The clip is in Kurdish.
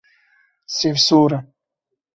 Sêv sor e.